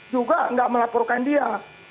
juga enggak melaporkan dia